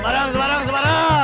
semarang semarang semarang